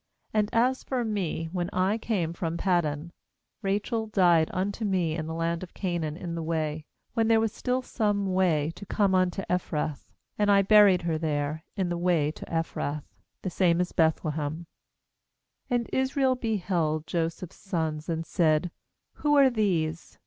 7And as for me, when I came from Paddan, Rachel died unto me in the land of Canaan in the way, 60 GENESIS 49.6 when there was still some way to come unto Ephrath; and I buried her there in the way to Ephrath — the same is Beth lehem/ 8And Israel beheld Joseph's sons, and said: 'Who are these?'